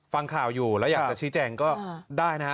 ฟังข่าวอยู่แล้วอยากจะชี้แจงก็ได้นะฮะ